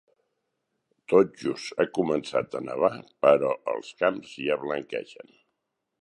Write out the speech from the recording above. Tot just ha començat a nevar, però els camps ja blanquegen.